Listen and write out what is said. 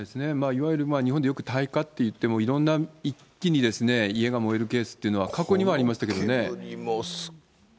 いわゆる大火っていっても、いろんな一気にですね、家が燃えるケースって過去にはありましたけどね。